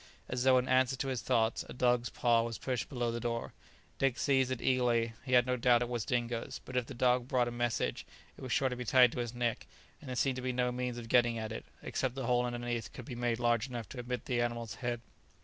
As though in answer to his thoughts, a dog's paw was pushed below the door. Dick seized it eagerly; he had no doubt it was Dingo's; but if the dog brought a message, it was sure to be tied to his neck, and there seemed to be no means of getting at it, except the hole underneath could be made large enough to admit the animal's head.